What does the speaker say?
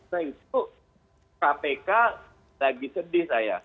nah itu kpk lagi sedih saya